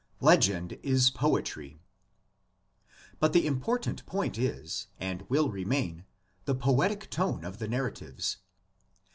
LEGEND IS POETRY. But the important point is and will remain the poetic tone of the narratives.